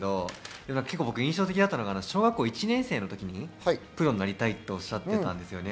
印象的だったのが、小学校１年生の時にプロになりたいっておっしゃってたんですよね。